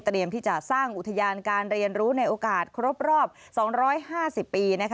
ที่จะสร้างอุทยานการเรียนรู้ในโอกาสครบรอบ๒๕๐ปี